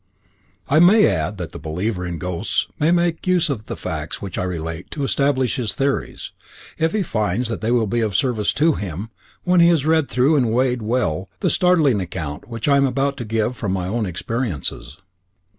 I may add that the believer in ghosts may make use of the facts which I relate to establish his theories, if he finds that they will be of service to him when he has read through and weighed well the startling account which I am about to give from my own experiences.